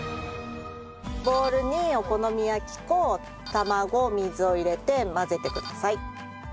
ボウルにお好み焼き粉卵水を入れて混ぜてください。